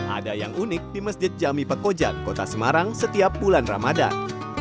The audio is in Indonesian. ada yang unik di masjid jami pekojan kota semarang setiap bulan ramadan